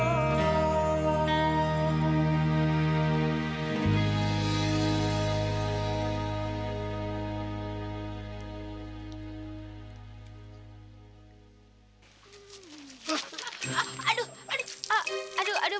aduh aduh aduh aduh aduh